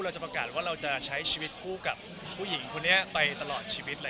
เราจะประกาศว่าเราจะใช้ชีวิตคู่กับผู้หญิงคนนี้ไปตลอดชีวิตเลย